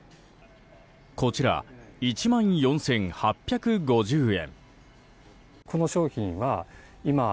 こちら１万４８５０円。